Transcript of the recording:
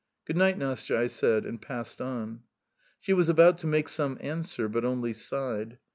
"Good night, Nastya!" I said, and passed on. She was about to make some answer, but only sighed.